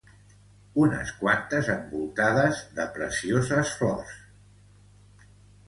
Unes quantes envoltades de precioses flors.